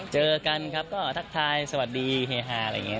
เจอกันครับก็ทักทายสวัสดีเฮฮาอะไรอย่างนี้